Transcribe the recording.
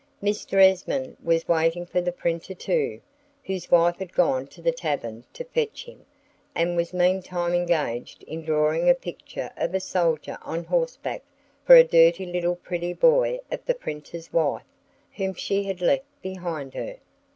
Mr. Esmond was waiting for the printer too, whose wife had gone to the tavern to fetch him, and was meantime engaged in drawing a picture of a soldier on horseback for a dirty little pretty boy of the printer's wife, whom she had left behind her.